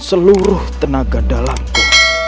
seluruh tenaga dalamku